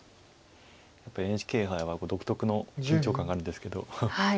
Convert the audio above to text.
やっぱりＮＨＫ杯は独特の緊張感があるんですけど。